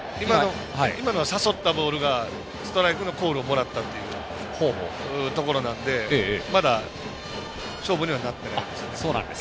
今のは誘ったボールがストライクのコールをもらったというところなのでまだ勝負にはなってないですね。